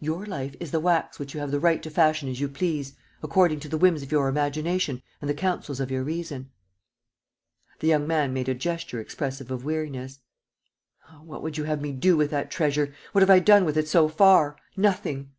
Your life is the wax which you have the right to fashion as you please, according to the whims of your imagination and the counsels of your reason." The young man made a gesture expressive of weariness: "Ah, what would you have me do with that treasure? What have I done with it so far? Nothing!"